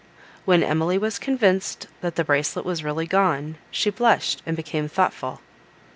When Emily was convinced that the bracelet was really gone, she blushed, and became thoughtful.